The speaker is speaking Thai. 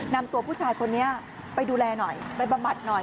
นำตัวผู้ชายคนนี้ไปดูแลหน่อยไปบำบัดหน่อย